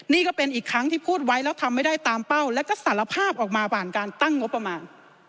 นี่ก็เป็นอีกครั้งที่พูดไว้แล้วทำไม่ได้ตามเป้าแล้วก็สารภาพออกมาผ่านการตั้งงบประมาณ